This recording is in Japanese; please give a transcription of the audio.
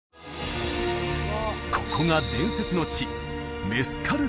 ここが伝説の地